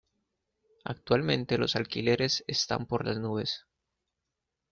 Actualmente los alquileres están por las nubes.